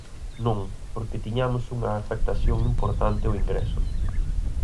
Non, porque tiñamos unha afectación importante ao ingreso.